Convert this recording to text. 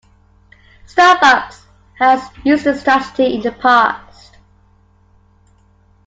Starbucks has used this strategy in the past.